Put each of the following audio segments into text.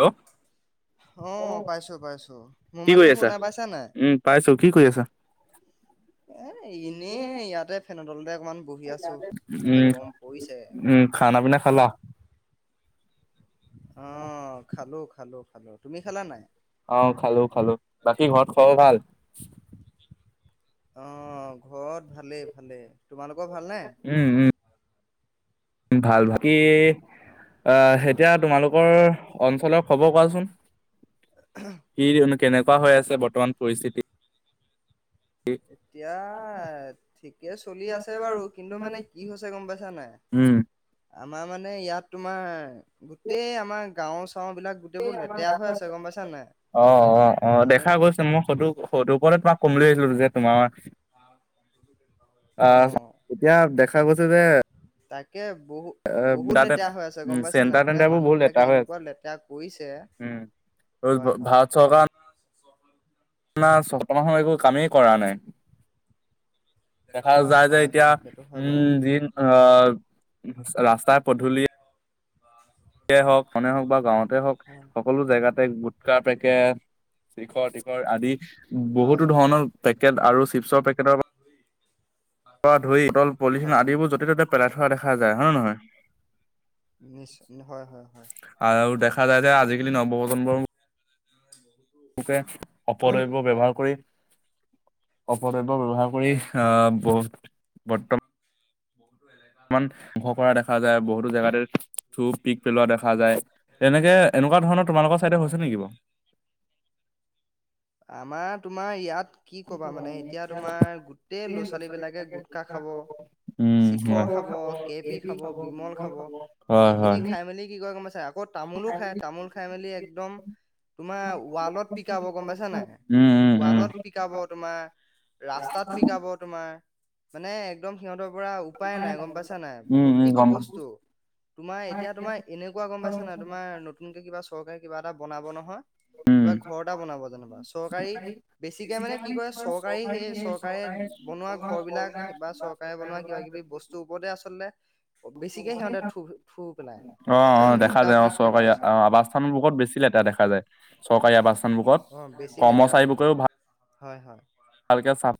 Hello অ', পাইছো পাইছো মোৰ কি মাততো কৰি আছা শুনা পাইছা নাই? উম পাইছো কি কৰি আছা? এ এনেই ইয়াতে সে নদল দে উম উম খানা পিনা খালা অ খালো খালো খালো তুমি খালা নাই আহ খালো খালো। বাকী ঘৰত খবৰ ভাল? অ ঘৰত ভালেই ভালে। তোমালোকৰ ভালনে? উম উম ভাল বাকী আহ এতিয়া তোমালোকৰ অঞ্চলৰ খবৰ কোৱাচোন কি কেনেকুৱা হৈ হয়। আছে বৰ্তমান পৰিস্থিতি? এতিয়া ঠিকে চলি আছে বাৰু কিন্তু মানে কি হৈছে গম পাইছা নাই উম আমাৰ মানে ইয়াত তোমাৰ গোটেই আমাৰ গাঁও চাও বিলাক গোটেইবোৰ লেতেৰা হৈ আছে গম পাইছা নাই? অ অ অ মানুহ দেখা গৈছে মই সটো সটো পৰত তোমাক [unintelligible] আহিছিলো যে তোমাৰ [inaudible] আহ অ', এতিয়া দেখা গৈছে যে কে বহুত বহুত লেতেৰা হৈ আছে উম গম পাইছা নাই চেণ্টাৰ মানে তেণ্টাৰ বোৰ মানুহ বহুত বিলাকে লেতেৰা হৈ এনেকুৱা আছে লেতেৰা কৰিছে উম হয় হয় [unintelligible] প্ৰশাসনে একো কামেই কৰা নাই দেখা হয় যায় যে হয় এতিয়া হয় সেইটো হয় বাৰু উম যিন আহ ৰাস্তাই পদূলি হওক সনে হওক বা গাঁৱতে হওক হয় সকলো জেগাতে গুটকাৰ পেকেট চিখৰ তিখৰ আদি হয় বহুতো ধৰণৰ পেকেট আৰু চিপছৰ পেকেটৰ প পৰা ধই পল পলিথিন হয় আদিবোৰ য'তে ত'তে পেলাই থো থোৱা দেখা যায় হয় না নহয় নিশ্চয় হয় হয় হয় আৰু দেখা যায় যে আজিকালি নৱপ্ৰতন্মবোৰ ওকে হয় অপদ্ৰব্য ব্যৱহাৰ কৰি অপদ্ৰব্য ব্যৱহাৰ কৰি হয় আহ বহুত বৰ্ত [unintelligible] ইমান ভ কৰা দেখা যায়, বহুতো জেগাতে থু পিক পেলোৱা দেখা যায়, এনেকে এনেকুৱা ধৰণৰ তোমালোকৰ চাইডে হয় হয় হৈছে হয় নেকি বাও? আমাৰ তোমাৰ ইয়াত কি কবা মানে এতিয়া তোমাৰ গোটেই ল'ৰা-ছোৱালী বিলাকে গুটখা খাব উম চিখৰ হয়। খাব কেপি খাব বিমল খাব হয় হয় এইখিনি খাই মেলি কি কয় গম পাই ক'ত তামোলো খাই তামোল খাই মেলি একদম তোমাৰ ৱালত পিকাব গম পাইছা নাই উম উম উম ৱালত পিকাব মা ৰাস্তাত পিকাব তোমাৰ মানে একদম সিহঁত পৰা উপায় নাই গম পাইছা নাই। উম উম প্ৰতিটো গম পাইছো বস্তু তোমাৰ এতিয়া তোমাৰ এনেকুৱা গম পাইছা নাই তোমাৰ নতুনকে কিবা চৰকাৰী কিবা এটা বনাব নহয় উম কিবা ঘৰ এটা বনাব যেনিবা, চৰকাৰী বেছিকে মানে, কি কৰে চৰকাৰী সেই চৰকাৰে বনোৱা ঘৰ বিলাক বা চৰকাৰে বনোৱা কিবা কিবি বস্তুৰ ওপৰতে আচলতে বেছিকে সিহঁতে থু থু পেলাই অ', অ' দেখা গুটকা যায় অ', পিক পেলাই চৰকাৰী আহ আচলতে আৱাসস্থান বোৰত বেছি লেতেৰা দেখা যায়। চৰকাৰী অ আৱাসস্থানবোৰত বেছি লেতেৰা কৰ্মচাৰী কৰে বোৰেও ভাল হয় হয়। ভালকে চা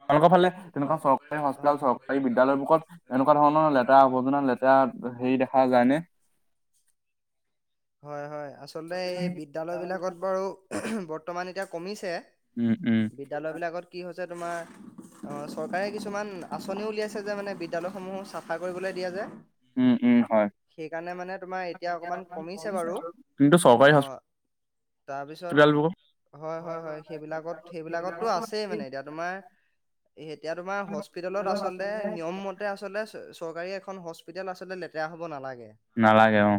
হয় তেওঁলোকৰ ফালে তেনেকুৱা চৰকাৰী হয় হস্পিতাল চৰকাৰী বিদ্যালয়বোৰত এনেকুৱা ধৰণৰ লেতেৰা আৱৰ্জনা লেতেৰা হেৰি দেখা যায়নে? হয় হয় আচলতে এই বিদ্যালয়বিলাকত বাৰু বৰ্তমান এতিয়া কমিছে উম উম বিদ্যালয়বিলাকত কি হৈছে তোমাৰ অ', চৰকাৰে কিছুমান আঁচনি উলিয়াইছে যে মানে বিদ্যালয়সমূহ চাফা কৰিবলৈ দিয়ে যে, উম উম হয় সেইকাৰণে মানে তোমাৰ এতিয়া [unintelligible] বাৰু কিন্তু চৰকাৰী তাৰপিছত হস্পিতালবোৰ হয়, হয়, হয়। সেইবিলাকত সেইবিলাকততো আছেই তোমাৰ এতিয়া তোমাৰ হস্পিতালত আচলতে নিয়মমতে আচলতে চৰ কাৰী এখন হস্পিতাল আচলতে লেতেৰা হ'ব নালাগে। নালাগে অ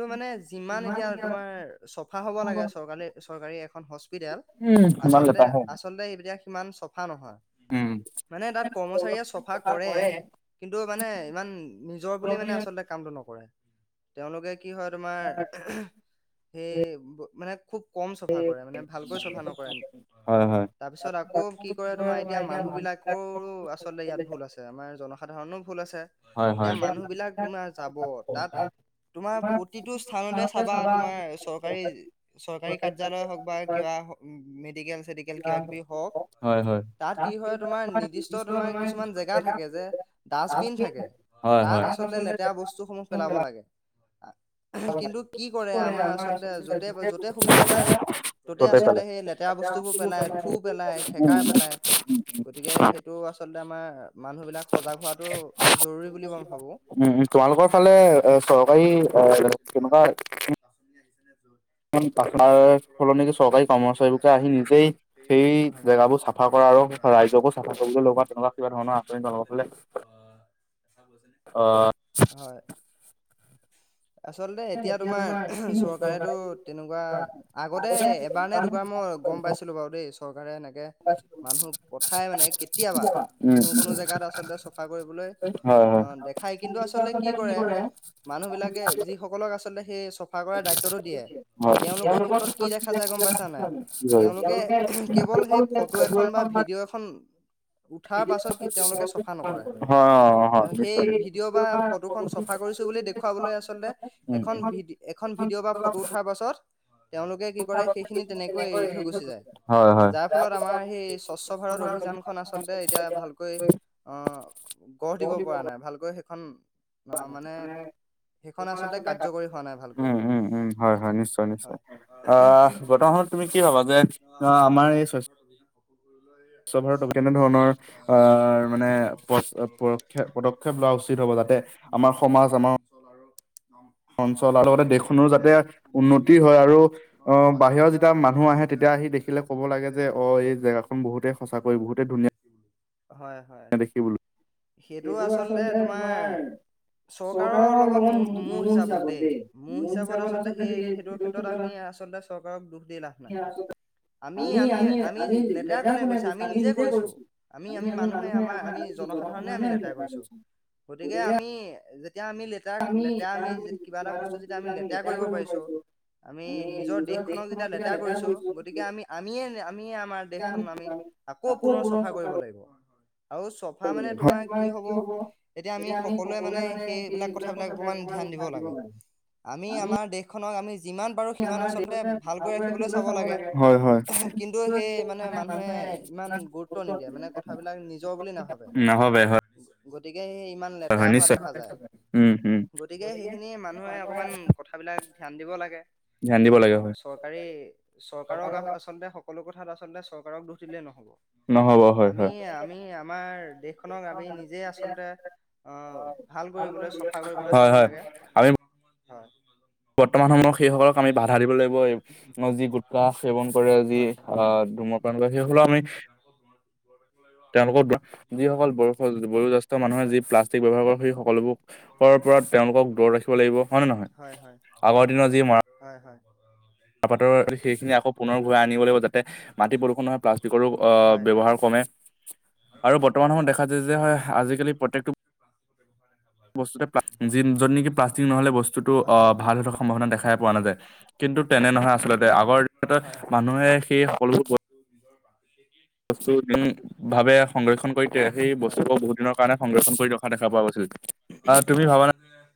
তো মানে যিমান এতিয়া তোমাৰ চাফা হ'ব লাগে চৰকাৰী এখন হস্পিতাল উম ইমান আচলতে লেতেৰা হয় আচলতে এতিয়া সিমান চাফা নহয়। উম মানে তাত কৰ্মচাৰীয়ে চাফা কৰে, কিন্তু মানে ইমান নিজৰ বুলি মানে আচলতে কামটো নকৰে। তেওঁলোকে কি হয় তোমাৰ, সেই মানে, খুব কম চাফা কৰে মানে ভালকৈ চাফা নকৰে হয় হয় তাৰপিছত আকৌ কি কৰে তোমাৰ এতিয়া মানুহ বিলাকৰো আচলতে ইয়াত ভুল আছে আমাৰ জন- সাধাৰণৰো ভুল আছে হয় হয় এতিয়া মানুহ বিলাক তোমাৰ যাব তাত তোমাৰ প্ৰতিটো স্থানতে চাবা তোমাৰ চৰকাৰী, চৰকাৰী কাৰ্যালয় হওঁক বা কিবা মে -ডিকেল কিবা কিবি হওঁক হয় হয় তাত কি হয় তোমাৰ নিৰ্দিষ্ট তোমাৰ কিছুমান জেগা থাকে যে ডাষ্টবিন থাকে হয় হয় হয় তাত আচলতে লেতেৰা বস্তুসমূহ পেলাব লাগে। কিন্তু কি কৰে আমাৰ আচলতে য'তে, য'তে সুবিধা পায় ত'তে আচলতে গোটেইফালে সেই লেতেৰা বস্তুবোৰ পেলাই, থু পেলাই, উম খেকাৰ পেলাই গতিকে সেইটো আচলতে আমাৰ, মানুহ বিলাক সজাগ হোৱাটো জৰুৰী বুলি মই ভাবো উম, উম, তোমালোকৰ ফালে এ চৰকাৰী এ তেনেকুৱা [unintelligible] াৰ সলনিকি চৰকাৰী কৰ্মচাৰীবে আহি নিজেই সেই জেগাবোৰ চাফা কৰা আৰু ৰাইজকো চাফা কৰিবলৈ লগা তেনেকা কিবা ধৰণৰ আঁচনি নলে। [unintelligible] [unintelligible] হয়। আচলতে এতিয়া তোমাৰ চৰকাৰেতো তেনেকুৱা, আগতে এবাৰ নে দুবাৰ মই গম পাইছিলো বাৰু দেই চৰকাৰে এনেক কে, মানুহ পঠাই মানে কেতিয়াবা, উম, কোনো কোনো উম, জেগাত আচলতে চফা কৰিবলৈ হয়, হয়। অ, দেখাই কিন্তু আচলতে কি কৰে, মানুহ বিলাক [unintelligible] যিসকলক আচলতে সেই চফা কৰা দায়িত্বটো দিয়ে, হয়, তেওঁলোকৰ ক্ষেত্ৰত কি দেখা যায় গম পাইছা নে, কি হয়, তেওঁলোকে কেৱল সেই ফটো এখন বা ভিডিঅ' এখন, উঠাৰ পাছত তেওঁলোকে চফা নকৰে, হয়, অ, হয়, সেই নিশ্চয়, নিশ্চয়, ভিডিঅ' বা ফটোখনন চফা কৰিছোঁ বুলি দেখুৱাবলৈ আচ আচলতে, উম, এখন উম। ভিডি এখন ভিডিঅ' বা ফটো উঠাৰ পাছত তেওঁলোকে কি কৰে সেইখিনি তেনেকৈ এৰি থৈ গুচি যায়, হয়, হয়। যাৰ ফলত আমাৰ সেই স্বচ্ছ ভাৰত অভিযানখন আচলতে এতিয়া ভালকৈ অ' গঢ় দিব পৰা নাই ভালকৈ [unintelligible] মানে [unintelligible] সেইখন আচলতে কাৰ্যকৰী হোৱা নাই ভালকৈ। উম উম উম হয় হয় নিশ্চয় নিশ্চয়, হয় অ' বৰ্তমান সমত তুমি কি ভাবা যে আহ আমাৰ এই স্বচ্ছ স্বচ্ছ ভাৰত অভিযানে কেনেধৰণৰ অ' মানে পদ পদক্ষেপ লোৱা উচিত হ'ব যাতে আমাৰ সমাজ আমাৰ আৰু অঞ্চল আৰু লগতে দেশখনো যাতে উন্নতি হয় আৰু অ' বাহিৰৰ যেতিয়া মানুহ আহে তেতিয়া আহি দেখিলে কব লাগে যে অ এই জেগাখন বহুতেই সঁচাকৈ বহুতেই ধুনীয়া। হয় হয়, দেখিবলৈ সেইটো আচলতে তোমাৰ চৰকাৰৰ লগত মোৰ হিচাপত দেই মোৰ হিচাপত আচলতে সেই সেইটোৰ ক্ষেত্ৰত আমি আচলতে চৰকাৰক দোষ লাভ নাই আমি আমি আমি লেতেৰা কোনে কৰিছে আমি নিজে কৰিছোঁ আমি আমি মানুহে আমাৰ আমি জনসাধাৰণে আমি লেতেৰা কৰিছোঁ, গতিকে আমি এতিয়া আমি লেতেৰা আমি কিবা এটা বস্তু যেতিয়া আমি লেতেৰা কৰিব পাৰিছো আমি নিজৰ দেশখনক যেতিয়া লেতেৰা কৰিছো গতিকে আমি আমিয়ে আমিয়ে আমাৰ দেশখন আমি আকৌ পুনৰ চফা কৰিব লাগিব। আৰু চফা মানে তোমাৰ কি হব এতিয়া আমি সকলোৱে মানে সেইবিলাক কথা অকণমান ধ্যান দিব লাগে, আমি আমাৰ দেশ দেশখনক আমি যিমান পাৰো সিমান আচলতে ভালকৈ ৰাখিবলৈ চাব লাগে, হয় হয় কিন্তু সেই মানে মানুহে ইমান গুৰুত্ব নিদিয়ে মানে কথাবিলাক নিজৰ বুলি নাভাবে। নহবে হয় গতিকে সেই ইমান লেতেৰা হয় হোৱা নিশ্চয় দেখা হয়, যায় উম'। উম গতিকে সেইখিনি মানুহে অকণমান কথাবলাক ধ্যান দিব লাগে, ধ্যান দিব লাগে অ' হয় চৰকাৰী চৰকাৰক আচলতে সকলো সব কথাত আচলতে চৰকাৰক দোষ দিলেই নহ'ব। নহ'ব হয় আমি, হয় আমি আমাৰ দেশখনক আমি নিজে আচলতে অ' ভাল কৰিবলৈ কৰিবলৈ হয়, চাব হয় লাগে আমি বৰ্তমান সময়ত সেইসকলক আমি বাধা দিব লাগিব আমাৰ যি গোটখা সেৱন কৰে, যি হয় অ' ধূম্ৰপান কৰে, সেই সকলক আমি তেওঁলোকৰ, যিসকল বয়স বয়োজ্যেষ্ঠ মানুহে যি হয় প্লাষ্টিক ব্যৱহাৰ কৰে সেই [unintelligible] কৰাৰ পৰাত তেওঁলোকক দূৰ ৰাখিব লাগিব হয় নে হয় নহয়? হয় আগৰ দিনত যি মৰা হয় চাহপাতৰ সেইখিনি আকৌ পুনৰ ঘূৰাই আনিব লাগিব, যাতে মাটি প্ৰদূষুণ নহয়, প্লাষ্টিকৰো হয় হয় হয় ব্যৱহাৰ কমে আৰু বৰ্তমান সময়ত দেখা যায় যে হয় আজিকালি প্ৰত্যেকটো বস্তু এটা প্লাষ্ট, যি য'ত নেকি প্লাষ্টিক নহ'লে বস্তুটো অ' ভাল হৈ থকা সম্ভাৱনা দেখাই পোৱা নাযায়। কিন্তু তেনে নহয় আচলতে আগৰ দিনৰ মানুহে সেই সকলোবোৰ বস্তু উম্ ভাৱে সংৰক্ষণ কৰি, সেই বস্তুবোৰ বহু দিনৰ কাৰণে সংৰক্ষণ কৰি ৰখা দেখা পোৱা গৈছিল। হয়, হয়।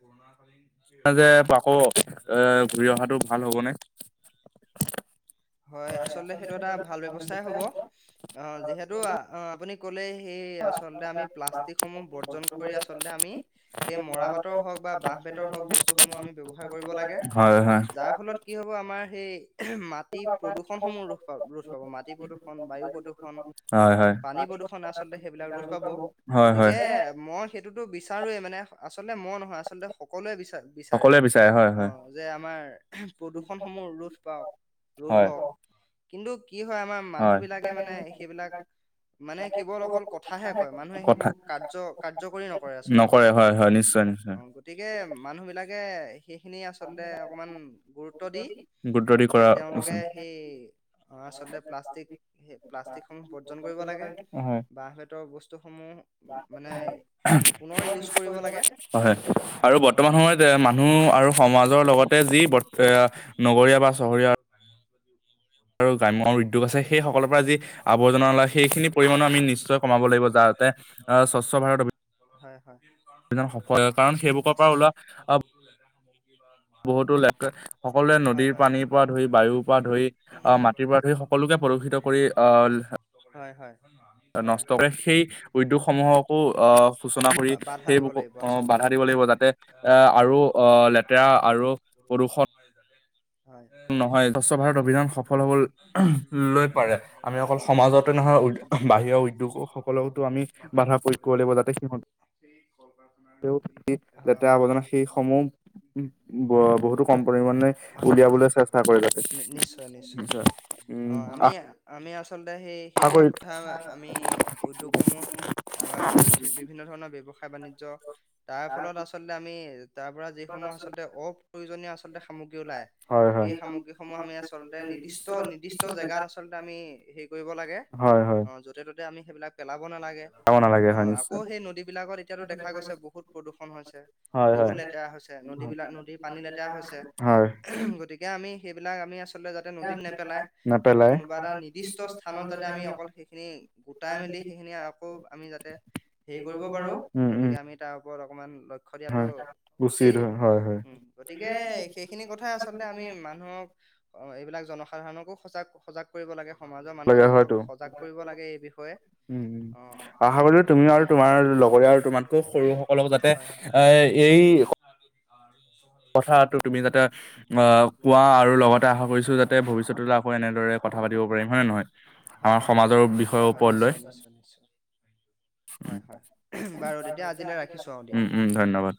[unintelligible] এয়া যে আকৌ এ ঘূৰি অহাটো ভাল হ'বনে? হয় আচলতে সেইটো এটা ভাল ব্যৱস্থাই হ'ব। ক'লেই? সেই আচলতে আমি প্লাষ্টিকসমূহ বৰ্জন কৰি আচলতে আমি সেই মৰা-পাটৰ হওঁক বা বাঁহ-বেতৰ হওঁক বস্তুসমূহ আমি ব্যৱহাৰ কৰিব লাগে। হয় হয় যাৰ ফলত কি হ'ব আমাৰ সেই মাটি প্ৰদূষণসমূহ ৰোধ পাব, ৰোধ পাব। মাটি প্ৰদূষণ, বায়ু প্ৰদূষণ, হয় হয় পানী প্ৰদূষণ আচলতে সেইবিলাক ৰোধ পাব। হয় হয় গতিকে মই সেইটোতো বিচ বিচাৰোয়েই মানে, আচলতে মই নহয়, আচলতে সকলোৱে বিচা বিচাৰে। সকলোৱে বিচাৰে হয় হয় অ' যে আমাৰ প্ৰদূষণ সমূহ ৰোধ পাওঁক, ৰোধ হয়। হওঁক। কিন্তু কি হয় আমাৰ মানুহ হয় বিলাকে মানে, সেইবিলাক মানে কেৱল অকল কথাহে কয়। মানুহে কথা সেইবোৰ কাৰ্য, কাৰ্যকৰী নকৰে আচলতে। অ' নকৰে হয় হয় নিশ্চয় নিশ্চয় গতিকে মানুহ বিলা কে সেইখিনি আচলতে অকমান গুৰুত্ব দি, গুৰুত্ব দি তে কৰা উচিত তেওঁলোকে সেই আচলতে প্লাষ্টিক, সেই প্লাষ্টিকসমূহ বৰ্জন কৰিব লাগে। বাঁহ বেতৰ বস্তু পুনৰ ইউজ কৰিব মানুহবোৰে লাগে এহ হয় আৰু বৰ্তমান সময়ত এ মানুহ আৰু সমাজৰ লগতে যি এয়া নগৰীয়া বা চহৰীয়া আৰু গ্ৰাম্য উদ্যোগ আছে, সেই সকলৰ পৰা যি আৱৰ্জনা ওলায় সেইখিনি পৰিমাণো আমি নিশ্চয় কমাব লাগিব। যাতে স্বচ্ছ ভাৰত অভি হয় হয় জন সফল হয় কাৰণ সেইবুকৰ পৰা ওলোৱা আহ বহুতো লে সকলোৱে নদীৰ পানীৰ পৰা ধৰি বায়ুৰ পৰা ধৰি আহ মাটিৰ পৰা ধৰি সকলোকে প্ৰদূষিত কৰি অহ। হয় নষ্ট কৰে সেই উদ্যোগসমূহকো অহ। সূচনা কৰি দিব সেইবোকো অহ বাধা দিব লাগিব যাতে এ আৰু আহ লেতেৰা আৰু প্ৰদূষণ হয় স্বচ্ছ ভাৰত অভিযান সফল হব লৈ পাৰে। আমি অকল সমাজৰ সমাজতে নহয় বাহিৰৰ উদ্যোগ সকলো আমি বাধা প্ৰয়োগ কৰিব লাগে। লেতেৰা আৱৰ্জনা সেইসমূহ বহুতো কম পৰিমাণে উলিয়াবলৈ [inaudible] চেষ্টা কৰি আছো নি- নিশ্চয় নিশ্চয় অ উম আমি আহ। আমি আছো। আচলতে সেই সেইবিলাক কথা আমি উদ্যোগসমূহ আমাৰ বি বিভিন্ন ধৰণৰ ব্যৱসায় বাণিজ্য তাৰ ফলত আচলতে আমি। তাৰ পৰা যিসমূহ আচলতে অপ্ৰয়োজনীয় আচলতে সামগ্ৰী ওলাই হয় হয় সেই সামগ্ৰীসমূহ আমি আচলতে নিৰ্দিষ্ট নিৰ্দিষ্ট জেগাত আচলতে আমি হেৰি কৰিব লাগে হয় হয় অ য'তে ত'তে। আমি সেইবিলাক পেলা। যাব নেলাগে হয় নিশ্চয়। সেই নদীবলাকত এতিয়াাতো দেখা গৈছে বহুত প্ৰদূষণ হৈছে হয় বহুত হয় লেতেৰা হৈছে নদী বিলাক নদীৰ পানী লেতেৰা হৈছে হয় গতিকে আমি। সেইবিলাক আমি আছো। আ যাতে নদীত নেপেলাই নেপেলাই কোনোবা এটা নিৰ্দিষ্ট স্থানত যাতে আমি অকল সেইখিনি গোটাই মেলি সেইখিনি আকৌ আমি যাতে। হেৰি কৰিব পাৰোঁ উম উম গতিকে আমি তাৰ ওপৰত। অকণমান। লক্ষ্য দিয়াটো উচিত হয় হয় হয় উম গতিকে সেইখিনি কথাই আচলতে আমি মানুহক এইবিলাক জনসাধাৰণকো সজাগ সজাগ কৰিব লাগে। সমাজৰ লাগে মানুহসকলক হয়তো সজাগ কৰিব লাগে এই বিষয়ে উম উম আশা কৰিলো তুমিও আৰু অ। তোমাৰ লগৰীয়া আৰু তোমাতকৈ সৰু সকলক যাতে হয় এ এই। কথাটো তুমি যাতে অ কোৱা আৰু লগতে আশা হয় কৰিছোঁ হয় যাতে ভৱিষ্যতলৈ আকৌ এনেদৰে কথা পাতিব পাৰিম হয় নে নহয় হয় আমাৰ হয় সমাজৰ বিষয়ৰ হয় হয় ওপৰ লৈ। নিশ্চয় নিশ্চয় নিশ্চয় হয় হয় বাৰু তেতিয়া আজিলৈ ৰাখিছোঁ আৰু দিয়া উম উম হয় ধন্যবাদ।